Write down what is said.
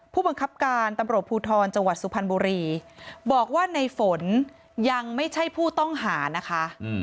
ผู้บังคับการตำรวจภูทรจังหวัดสุพรรณบุรีบอกว่าในฝนยังไม่ใช่ผู้ต้องหานะคะ